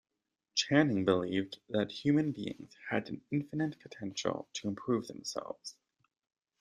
Channing believed that human beings had an infinite potential to improve themselves.